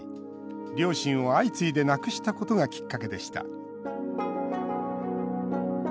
両親を相次いで亡くしたことがきっかけでした。